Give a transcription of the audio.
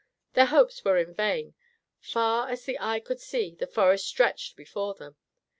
Their hopes were vain. Far as eye could see, the forest stretched before them.